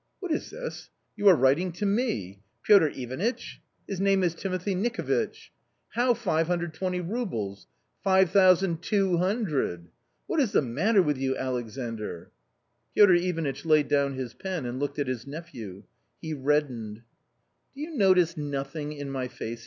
What is this ? You are writing to me. ' Piotr Ivanitch !' His name is Timothy Nikovitch. How 520 roubles ! 5200 ! What is the matter with you, Alexandr? " Piotr Ivanitch laid down his pen and looked at his nephew. He reddened. " Do you notice nothing in my face